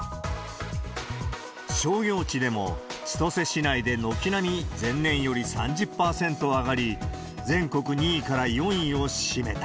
商業地でも、千歳市内で軒並み前年より３０％上がり、全国２位から４位を占めた。